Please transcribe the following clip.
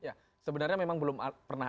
ya sebenarnya memang belum pernah